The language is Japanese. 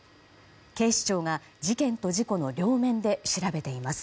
警視庁が事件と事故の両面で調べています。